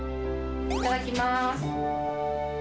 いただきます。